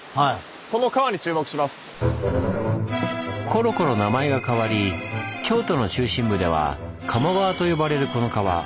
コロコロ名前が変わり京都の中心部では「鴨川」と呼ばれるこの川。